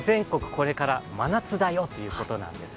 これから真夏だよということなんですね。